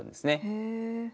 へえ。